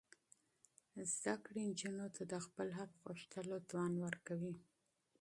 ښوونځي نجونې د خپل حق غوښتلو توان ورکوي.